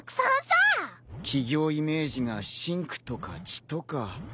企業イメージが真紅とか血とか。